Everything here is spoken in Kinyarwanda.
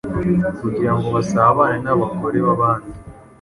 kugira ngo basabane n’abagore b’abandi